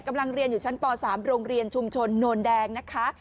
กำลังเรียนอยู่ชั้นป่าวสามโรงเรียนชุมชนโนรแดงนะคะ